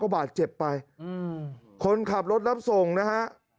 เป็นอะไรที่นี่